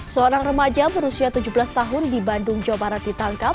seorang remaja berusia tujuh belas tahun di bandung jawa barat ditangkap